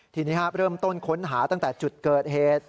ทีนี้เริ่มต้นค้นหาตั้งแต่จุดเกิดเหตุ